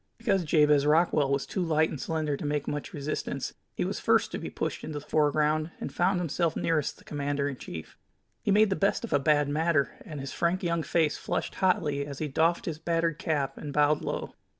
Because Jabez Rockwell was too light and slender to make much resistance, he was first to be pushed into the foreground, and found himself nearest the commander in chief. He made the best of a bad matter, and his frank young face flushed hotly as he doffed his battered cap and bowed low.